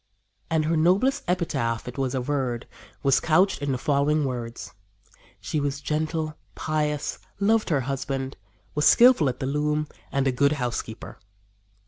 And her noblest epitaph, it was averred, was couched in the following words: "She was gentle, pious, loved her husband, was skillful at the loom and a good housekeeper."